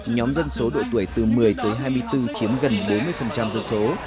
nhóm dân số độ tuổi từ một mươi tới hai mươi bốn chiếm gần bốn mươi dân số